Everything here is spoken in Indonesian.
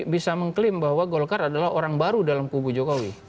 bisa mengklaim bahwa golkar adalah orang baru dalam kubu jokowi